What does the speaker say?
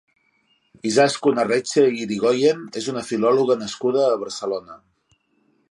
Izaskun Arretxe i Irigoien és una filòloga nascuda a Barcelona.